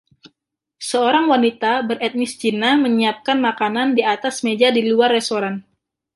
Seorang wanita beretnis Cina menyiapkan makanan di atas meja di luar restoran.